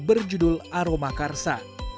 berjudul aroma karsa